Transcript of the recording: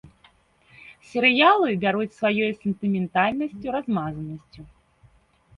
Серыялы бяруць сваёй сентыментальнасцю, размазанасцю.